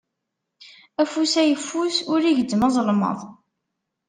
Afus ayeffus ur igezzem azelmaḍ.